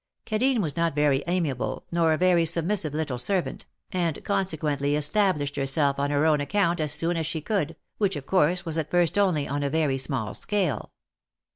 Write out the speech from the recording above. Cadine was not very amiable, nor a very submissive little servant, and consequently established herself on her own account as soon as she could, which of course was at first only on a very small scale.